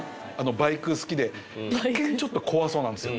バイク好きで一見ちょっと怖そうなんですよ